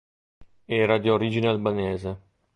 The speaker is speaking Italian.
Era di origine albanese.